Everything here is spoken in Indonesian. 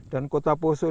agama dan kota poso